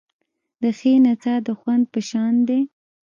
د ښې نڅا د خوند په شان دی.